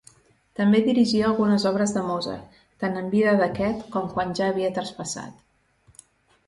També dirigí algunes obres de Mozart, tant en vida d'aquest com quan ja havia traspassat.